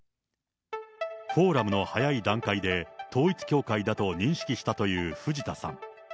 フォーラムの早い段階で統一教会だと認識したという藤田さん。